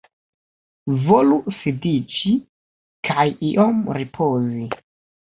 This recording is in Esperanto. Volu sidiĝi kaj iom ripozi.